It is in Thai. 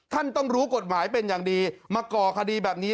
ท่านต้องรู้กฎหมายเป็นอย่างดีมาก่อคดีแบบนี้